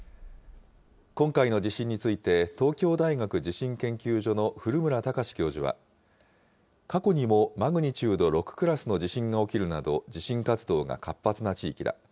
今回の地震について、東京大学地震研究所の古村孝志教授は、過去にもマグニチュード６クラスの地震が起きるなど、地震活動が活発な地域だ。